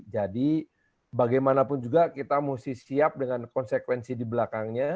jadi bagaimanapun juga kita mesti siap dengan konsekuensi di belakangnya